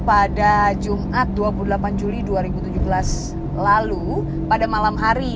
pada jumat dua puluh delapan juli dua ribu tujuh belas lalu pada malam hari